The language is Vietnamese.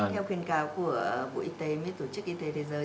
theo khuyên cáo của bộ y tế với tổ chức y tế thế giới